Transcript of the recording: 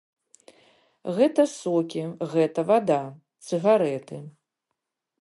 Гэта сокі, гэта вада, цыгарэты.